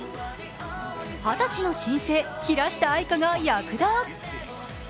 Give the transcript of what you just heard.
二十歳新星・平下愛佳が躍動。